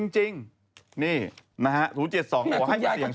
จริงนี่นะฮะ๐๗๒ขอให้เสี่ยง